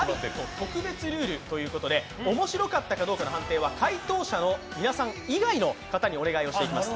特別ルールということで面白かったかどうかの判定は回答者の皆さん以外の方にお願いしていきます。